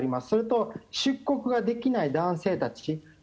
それと出国ができない男性たち。